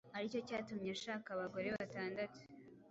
ari cyo cyatumye ashaka abagore batandatu.